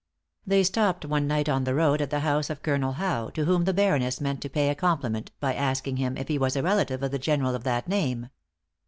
They stopped one night on the road, at the house of a Colonel Howe, to whom the Baroness meant to pay a compliment by asking him if he was a relative of the general of that name.